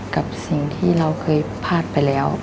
กับสิ่งที่เราเคยพลาดไปแล้ว